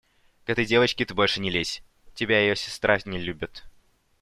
К этой девочке ты больше не лезь: тебя ее сестра не любит.